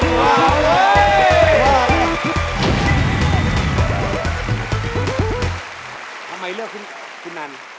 ทำไมเลือกคุณนัน